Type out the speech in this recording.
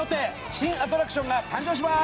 新アトラクションが誕生します。